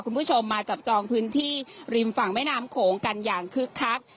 คุณผู้ชมมาจับจองพื้นที่ริมฝั่งแม่น้ำโขงกันอย่างคึกคัก